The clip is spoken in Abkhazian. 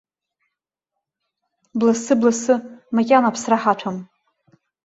Бласы, бласы, макьана аԥсра ҳаҭәам!